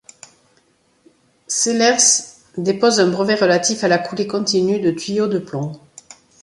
Sellers dépose un brevet relatif à la coulée continue de tuyaux de plomb.